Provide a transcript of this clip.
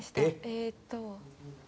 えっと。